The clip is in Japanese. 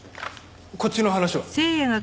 こっちの話は？